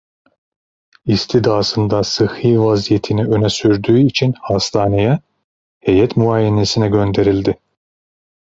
İstidasında sıhhi vaziyetini öne sürdüğü için hastaneye, heyet muayenesine gönderildi.